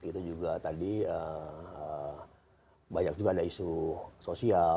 tadi banyak juga ada isu sosial